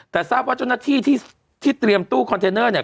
แต่ทราบว่าเจ้าหน้าที่ที่เตรียมตู้คอนเทนเนอร์เนี่ย